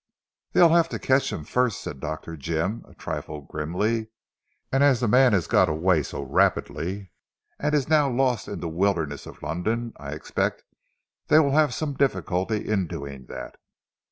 "They'll have to catch him first," said Dr. Jim a trifle grimly, "and as the man has got away so rapidly, and is now lost in the wilderness of London, I expect they will have some difficulty in doing that."